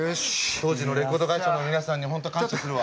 当時のレコード会社の皆さんに本当感謝するわ。